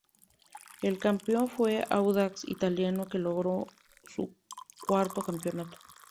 El campeón fue Audax Italiano que logró su cuarto campeonato.